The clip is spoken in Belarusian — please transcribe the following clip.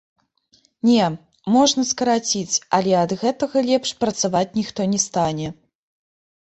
Не, можна скараціць, але ад гэтага лепш працаваць ніхто не стане.